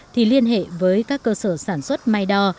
thì liên hệ với các cơ sở sản xuất máy đo